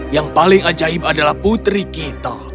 yang paling ajaib adalah putri kita